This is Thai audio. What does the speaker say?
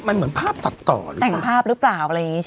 มันเหมือนภาพตัดต่อหรือเปล่าแต่งภาพหรือเปล่าอะไรอย่างนี้ใช่ไหม